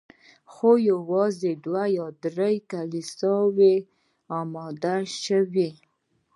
خو یوازي دوه یا درې کلیساوي اماده سوې